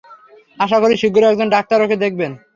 আশা করি শীঘ্রই একজন ডাক্তার ওকে দেখবেন।